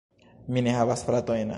Mi ne havas fratojn.